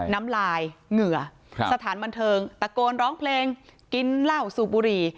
น้ำลายเหงื่อสถานบันเทิงตะโกนร้องเพลงกินเหล้าสูบบุหรี่